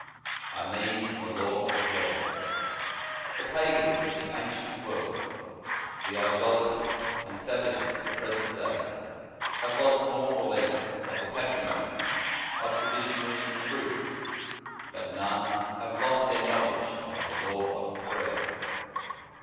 I mean the law of prayer. The pagans of the ancient world, the idolaters and savages of the present day have lost more or less of the patrimony of traditionary truths, but none have lost their knowledge of the law of prayer.